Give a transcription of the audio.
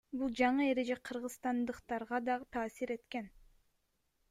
Бул жаңы эреже кыргызстандыктарга да таасир эткен.